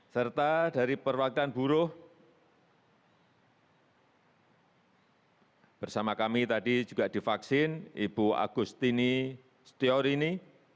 serta dari perwakilan buruh bersama kami tadi juga divaksin ibu agustini setiorini